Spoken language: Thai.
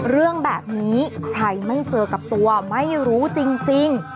เรื่องแบบนี้ใครไม่เจอกับตัวไม่รู้จริง